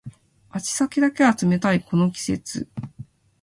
足先だけが冷たいこの季節